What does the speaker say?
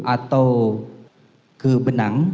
atau ke benang